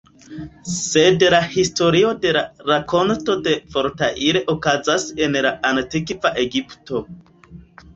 Sed la historio de la rakonto de Voltaire okazas en la Antikva Egipto.